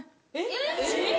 えっ！